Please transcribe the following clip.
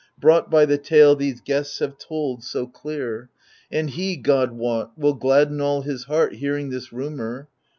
Brought by the tale these guests have told so clear. And he, God wot, will gladden all his heart Hearing this rumour.